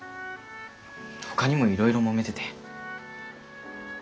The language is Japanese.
ほかにもいろいろもめてて。